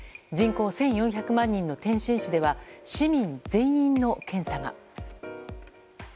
人口１４００万人の天津市では市民全員の検査が。